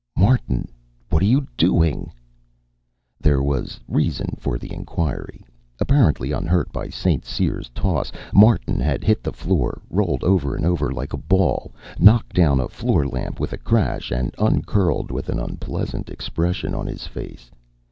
"Martin! What are you doing?" There was reason for his inquiry. Apparently unhurt by St. Cyr's toss, Martin had hit the floor, rolled over and over like a ball, knocked down a floor lamp with a crash, and uncurled, with an unpleasant expression on his face.